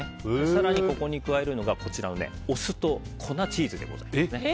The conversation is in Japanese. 更に、ここに加えるのがお酢と粉チーズでございます。